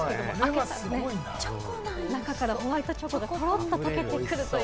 中からホワイトチョコがトロっと溶けてくる。